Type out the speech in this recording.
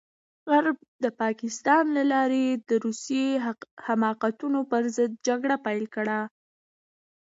غرب د پاکستان له لارې د روسي حماقتونو پرضد جګړه پيل کړه.